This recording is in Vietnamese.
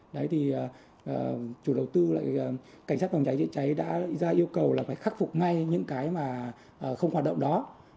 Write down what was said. đấy thì chủ đầu tư lại cảnh sát phòng cháy chữa cháy đã ra yêu cầu là phải khắc phục ngay những cái mà không hoạt động đó